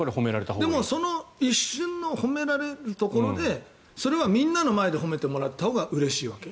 でも、その一瞬の褒められるところでそれはみんなの前で褒められたほうがうれしいわけ。